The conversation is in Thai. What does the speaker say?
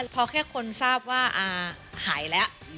พอแค่คนทราบว่าหายแล้ว